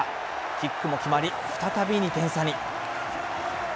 キックも決まり、再び２点差に。